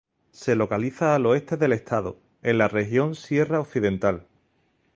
Se localiza al oeste del estado, en la Región Sierra Occidental.